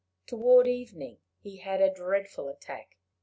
Toward evening he had a dreadful attack.